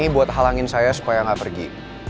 buat halangin saya supaya gak pergi